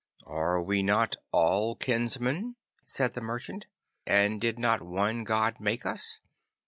'Are we not all kinsmen?' said the merchant. 'And did not one God make us?